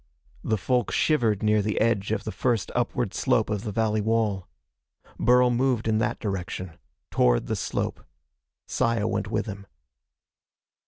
The folk shivered near the edge of the first upward slope of the valley wall. Burl moved in that direction. Toward the slope. Saya went with him.